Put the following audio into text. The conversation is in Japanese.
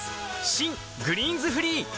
新「グリーンズフリー」